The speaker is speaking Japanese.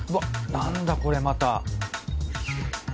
なんだこれまた。